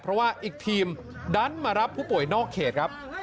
เพราะว่าอีกทีมดันมารับผู้ป่วยนอกเขตครับ